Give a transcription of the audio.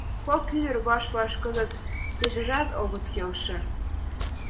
Кок ӱдыр ваш-ваш кызыт пешыжак огыт келше.